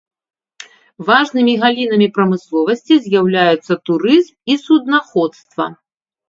Важнымі галінамі прамысловасці з'яўляюцца турызм і суднаходства.